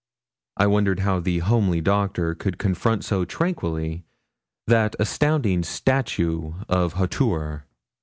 I wondered how the homely Doctor could confront so tranquilly that astounding statue of hauteur.